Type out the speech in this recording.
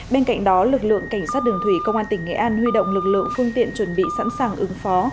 bên cạnh đó lực lượng cảnh sát đường thủy công an tỉnh nghệ an huy động lực lượng phương tiện chuẩn bị sẵn sàng ứng phó